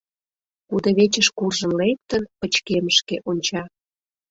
Кудывечыш куржын лектын, пычкемышке онча...